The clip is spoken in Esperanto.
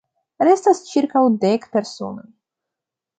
Restas ĉirkaŭ dek personoj.